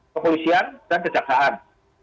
kepolisian dan kejaksaan